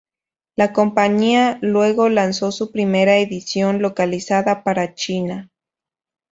La compañía luego lanzó su primera edición localizada para China.